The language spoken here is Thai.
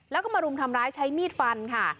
แล้วก็มารุมทำร้ายใช้มีดฟันค่ะ